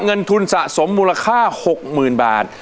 เงินทุนสะสมมูลค่า๖๐๐๐บาท